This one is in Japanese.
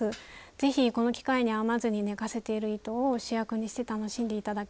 ぜひこの機会に編まずに寝かせている糸を主役にして楽しんで頂ければうれしいです。